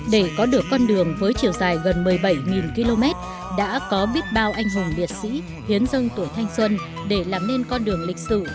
để có được con đường với chiều dài gần một mươi bảy km đã có biết bao anh hùng liệt sĩ hiến dâng tuổi thanh xuân để làm nên con đường lịch sử